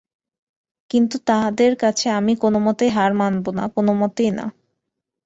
কিন্তু তাদের কাছে আমি কোনোমতেই হার মানব না– কেনোমতেই না।